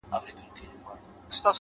دا کتاب ختم سو نور، یو بل کتاب راکه،